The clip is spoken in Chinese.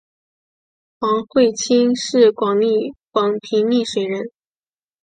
黄晦卿是广平丽水人。